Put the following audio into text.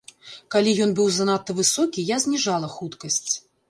Калі ён быў занадта высокі, я зніжала хуткасць.